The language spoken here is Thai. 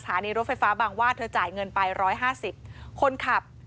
ีรถไฟฟ้าบางวาดเธอจ่ายเงินไป๑๕๐คนขับ